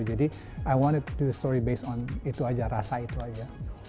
jadi saya mau membuat cerita berdasarkan itu saja rasa itu saja